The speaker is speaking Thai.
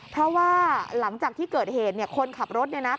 เพราะว่าหลังจากที่เกิดเหตุคนขับรถเนี่ยนะ